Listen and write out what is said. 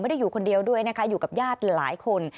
ได้อยู่คนเดียวด้วยนะคะอยู่กับญาติหลายคน